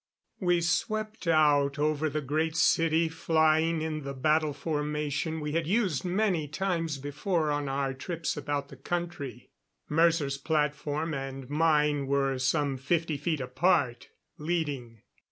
We swept out over the Great City, flying in the battle formation we had used many times before on our trips about the country. Mercer's platform and mine were some fifty feet apart, leading.